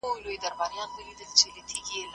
ازاده مطالعه له سانسور سوې مطالعې څخه غوره ده.